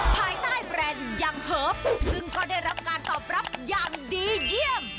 ภายใต้แบรนด์ยังเหอะซึ่งก็ได้รับการตอบรับอย่างดีเยี่ยม